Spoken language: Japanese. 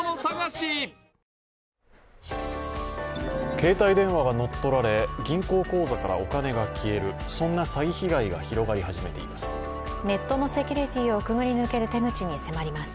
携帯電話が乗っ取られ銀行口座からお金が消える、そんな詐欺被害が広がり始めています。